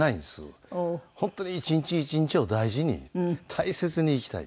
本当に１日１日を大事に大切に生きたい。